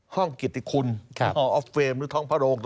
ห้องกิตติคุณหออฟเฟมหรือท้องพระโรง